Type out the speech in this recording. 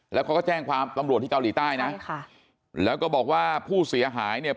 แล้วเขาก็แจ้งความตำรวจที่เกาหลีใต้นะใช่ค่ะแล้วก็บอกว่าผู้เสียหายเนี่ย